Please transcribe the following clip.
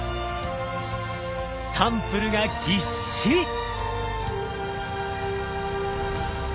サンプルがぎっしり。